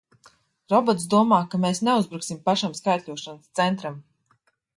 Robots domā, ka mēs neuzbruksim pašam skaitļošanas centram!